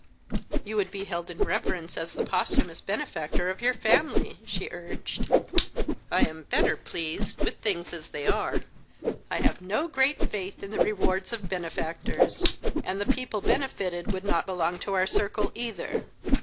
"You would be held in reverence as the posthumous benefactor of your family," she urged. "I am better pleased with things as they are. I have no great faith in the rewards of benefactors; and the people benefited would not belong to our circle, either."